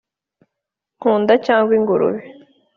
Ngunda cyangwa ingurube